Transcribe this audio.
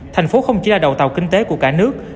thành phố không chỉ là đầu tàu kinh tế của cả nước